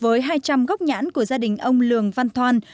với hai trăm linh gốc nhãn của gia đình ông lường văn thoan